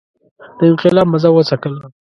د انقلاب مزه وڅکله.